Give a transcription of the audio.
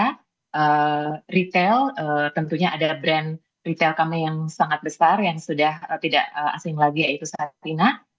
karena retail tentunya ada brand retail kami yang sangat besar yang sudah tidak asing lagi yaitu sapina